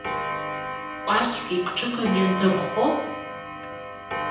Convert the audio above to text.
Кәакьк икҿыган иандырххо?